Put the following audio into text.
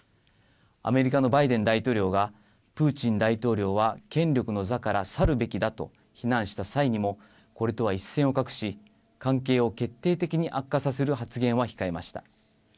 アメリカのバイデン大統領が、プーチン大統領は、権力の座から去るべきだと非難した際にも、これとは一線を画し、関係を決定的に悪化させる発言は控えました。